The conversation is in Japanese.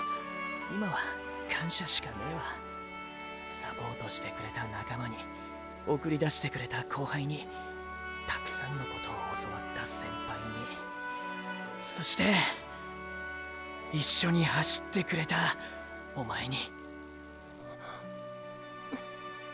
サポートしてくれた仲間に送り出してくれた後輩にたくさんのことを教わった先輩にそして一緒に走ってくれたおまえに。！